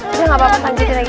udah gak apa apa lanjutin lagi